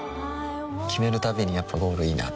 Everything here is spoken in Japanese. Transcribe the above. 決めるたびにやっぱゴールいいなってふん